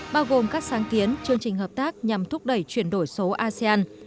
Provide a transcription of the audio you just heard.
bao gồm các sáng kiến chương trình hợp tác nhằm thúc đẩy chuyển đổi số asean